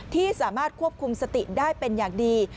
ที่สามารถควบคุมสติได้เป็นอย่างดี